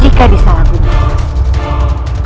jika disalah bunuh